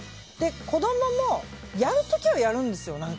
子供も、やる時はやるんですよ。